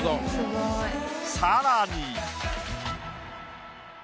さらに。